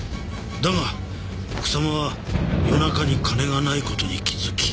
だが草間は夜中に金がない事に気づき。